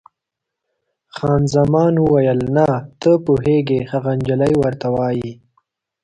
خان زمان وویل: نه، ته پوهېږې، هغه انجلۍ ورته وایي.